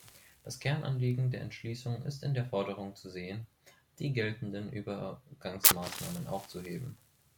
Das Kernanliegen der Entschließung ist in der Forderung zu sehen, die geltenden Übergangsmaßnahmen aufzuheben.